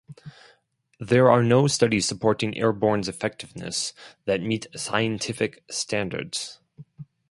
There are no studies supporting Airborne's effectiveness that meet scientific standards.